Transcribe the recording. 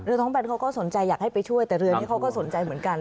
ท้องแบนเขาก็สนใจอยากให้ไปช่วยแต่เรือนี้เขาก็สนใจเหมือนกัน